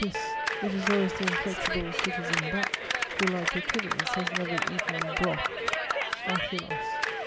This, it is always the inflexible Citizen That, who, like Achilles, has never eaten broth (ἃ χὺλος).